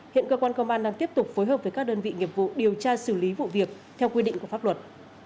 hiện cơ quan công an đang tiếp tục phối hợp với các đơn vị nghiệp vụ điều tra xử lý vụ việc theo quy định của pháp luật